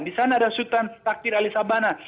di sana ada sultan takdir ali sabana